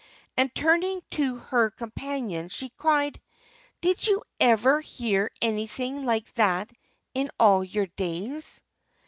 And turning to her companions she cried, "Did you ever hear anything like that in all your days?"